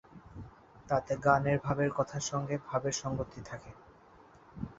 তাতে গানের ভাবের সঙ্গে কথার ভাবের সঙ্গতি থাকে।